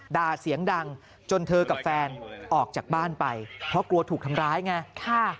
ด่าเสียงดังจนเธอกับแฟนออกจากบ้านไปเพราะกลัวถูกทำร้ายไง